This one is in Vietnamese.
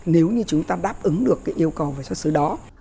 nếu như chúng ta đáp ứng được cái yêu cầu về xuất xứ đó